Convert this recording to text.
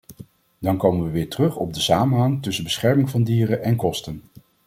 Dan komen we weer terug op de samenhang tussen bescherming van dieren en kosten.